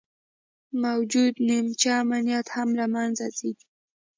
موجوده نیمچه امنیت هم له منځه ځي